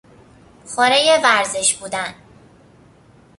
خورهی ورزش بودن